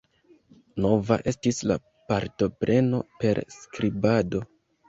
Nova estis la partopreno per skribado.